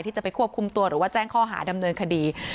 ที่จะไปควบคุมตัวหรือว่าแจ้งข้อหาดำเนินคดี